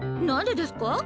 何でですか？